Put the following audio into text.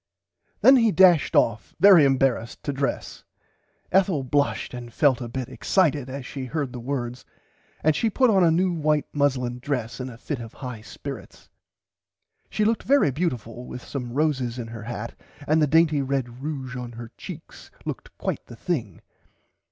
Then he dashed off very embarrased to dress. Ethel blushed and felt a bit excited as she heard the words and she put on a new white muslin dress in a fit of high spirits. She looked very beautifull with some red roses in her hat and the dainty red ruge in her cheeks looked quite the thing.